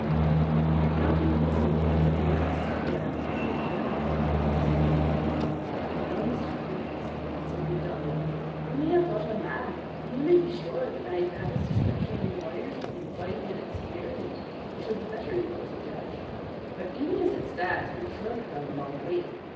"And how do you consider that all this bears upon the general case?" "Well, Mr. Holmes," said MacDonald, "when we have got our man and you may be sure that I had his description on the wires within five minutes of hearing it we shall be better able to judge. But, even as it stands, we have surely gone a long way.